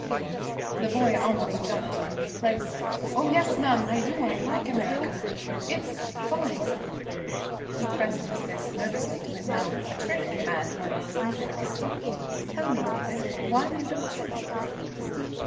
The boy almost jumped in his place. 'Oh, yes, ma'am, I do! I like "America." It's fine.' He pressed his fist nervously to his mouth, a trick he had when excited. 'Tell me, David, why you don't sing it.'